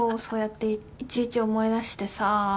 そうやっていちいち思い出してさ。